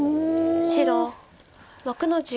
白６の十一。